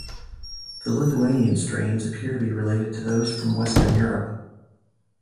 The Lithuanian strains appear to be related to those from Western Europe.